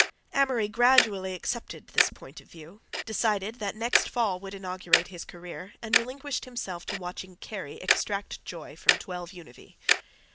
Amory gradually accepted this point of view, decided that next fall would inaugurate his career, and relinquished himself to watching Kerry extract joy from 12 Univee.